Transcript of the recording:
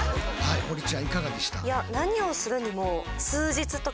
堀ちゃんいかがでした？